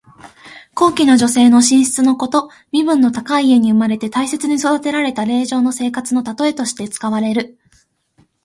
高貴な女性の寝室のこと。身分の高い家に生まれて大切に育てられた令嬢の生活のたとえとして使われる。